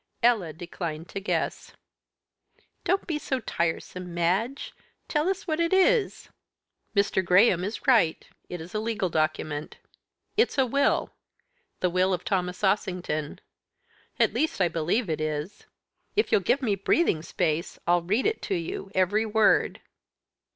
Ella declined to guess. "Don't be so tiresome, Madge; tell us what it is?" "Mr. Graham is right it is a legal document. It's a will, the will of Thomas Ossington. At least I believe it is. If you'll give me breathing space I'll read it to you every word."